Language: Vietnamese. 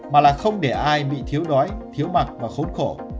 mà là không để ai bị thiếu đói thiếu mặc và khốn khổ